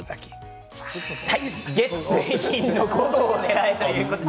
月水金の午後をねらえ！ということで。